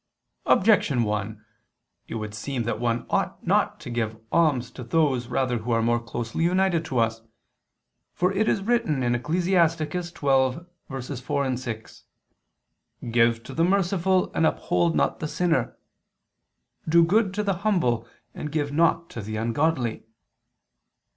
Objection 1: It would seem that one ought not to give alms to those rather who are more closely united to us. For it is written (Ecclus. 12:4, 6): "Give to the merciful and uphold not the sinner ... Do good to the humble and give not to the ungodly."